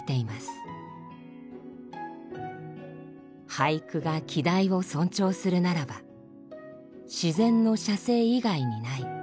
「俳句が季題を尊重するならば自然の写生以外にない。